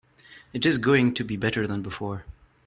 It is going to be better than before.